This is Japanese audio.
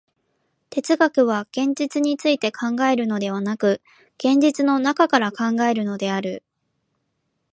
哲学は現実について考えるのでなく、現実の中から考えるのである。